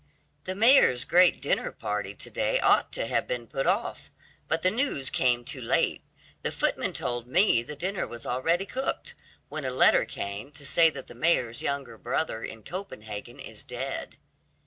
"The mayor's great dinner party to day ought to have been put off, but the news came too late. The footman told me the dinner was already cooked, when a letter came to say that the mayor's younger brother in Copenhagen is dead."